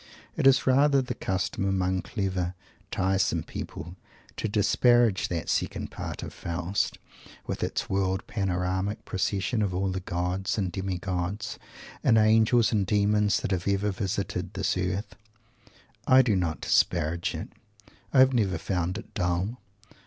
It is rather the custom among clever, tiresome people to disparage that second part of Faust, with its world panoramic procession of all the gods and demi gods and angels and demons that have ever visited this earth. I do not disparage it. I have never found it dull.